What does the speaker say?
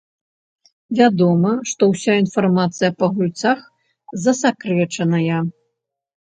Вядома, што ўся інфармацыя па гульцах засакрэчаная.